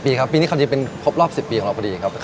ปีครับปีนี้เขาจะเป็นครบรอบ๑๐ปีของเราพอดีครับ